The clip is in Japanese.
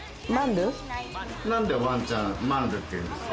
なんでワンちゃんマンルって言うんですか？